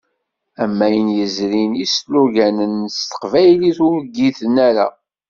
Am ayen yezrin, isloganen s teqbaylit ur ggiten ara.